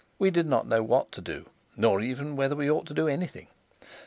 We did not know what to do, nor even whether we ought to do anything.